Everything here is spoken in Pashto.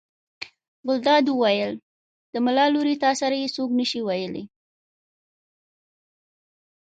ګلداد وویل: د ملا لورې تا سره یې څوک نه شي ویلی.